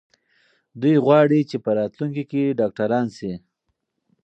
دوی غواړي چې په راتلونکي کې ډاکټران سي.